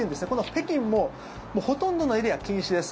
北京もほとんどのエリア、禁止です。